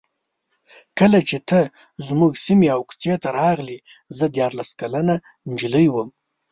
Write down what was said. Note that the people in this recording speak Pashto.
کله چې ته زموږ سیمې او کوڅې ته راغلې زه دیارلس کلنه نجلۍ وم.